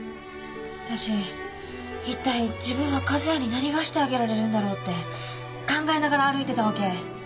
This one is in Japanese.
私いったい自分は和也に何がしてあげられるんだろうって考えながら歩いてたわけ。